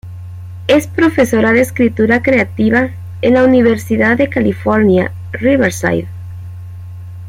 Es profesora de escritura creativa en la Universidad de California, Riverside.